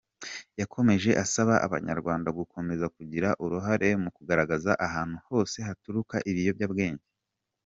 Yakomeje asaba abanyarwanda gukomeza kugira uruhare mu kugaragaza ahantu hose haturuka ibiyobyabwenge.